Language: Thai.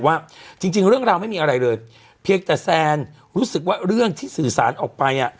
ว่าจริงจริงเรื่องราวไม่มีอะไรเลยเพียงแต่แซนรู้สึกว่าเรื่องที่สื่อสารออกไปอ่ะ